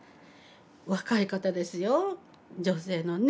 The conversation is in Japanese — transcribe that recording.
若い方ですよ女性のね。